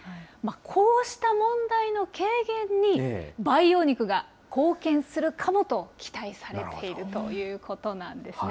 こうした問題の軽減に培養肉が貢献するかもと期待されているということなんですね。